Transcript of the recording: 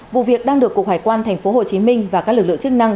vụ việc đang được cục hải quan tp hcm và các lực lượng chức năng